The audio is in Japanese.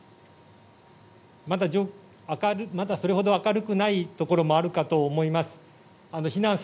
まだそれほど明るくないところもあるかと思います。